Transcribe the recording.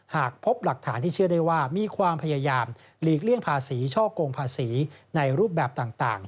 หากพบหลักฐานที่เชื่อได้ว่ามีความพยายามหลีกเลี่ยงภาษีช่อกงภาษีในรูปแบบต่าง